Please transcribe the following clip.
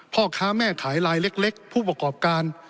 พ่อค้าแม่ขายลายเล็กผู้ประกอบการ